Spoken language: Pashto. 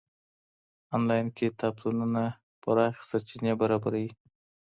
انلاين کتابتونونه پراخې سرچينې برابروي.